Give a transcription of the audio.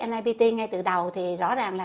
nipt ngay từ đầu thì rõ ràng là